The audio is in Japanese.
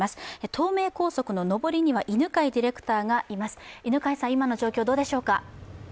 東名高速の上りには犬飼ディレクターがいます。